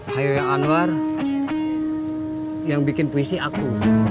khairul anwar yang bikin puisi aku